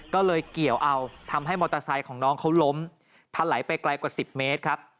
ก็เลยเกี่ยวเอาทำให้มอเตอร์ไซค์ของน้องเขาล้มทะไหลไปไกลกว่า๑๐เมตรครับ